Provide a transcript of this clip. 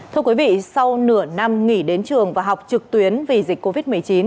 thưa quý vị sau nửa năm nghỉ đến trường và học trực tuyến vì dịch covid một mươi chín